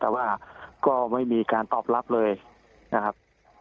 แต่ว่าก็ไม่มีการตอบรับเลยนะครับ